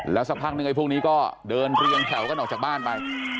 สักพักนึงไอ้พวกนี้ก็เดินเรียงแถวกันออกจากบ้านไป